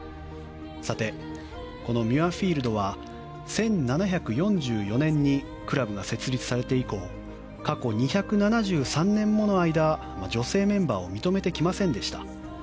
ミュアフィールドは１７４４年にクラブが設立されて以降過去２３７年もの間女性メンバーを認めてきませんでした。